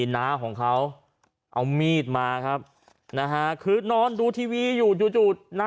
นะครับเดิน